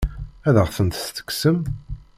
Ad aɣ-tent-tekksem?